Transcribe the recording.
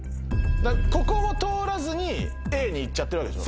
ここを通らずにＡに行っちゃってるわけでしょ？